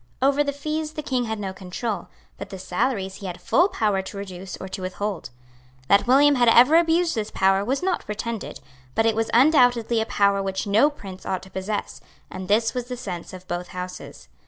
Over the fees the King had no control; but the salaries he had full power to reduce or to withhold. That William had ever abused this power was not pretended; but it was undoubtedly a power which no prince ought to possess; and this was the sense of both Houses.